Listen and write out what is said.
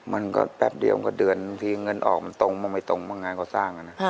มันก็แป๊บเดียวก็เดือนทีเงินออกมันตรงมันไม่ตรงงานก่อสร้าง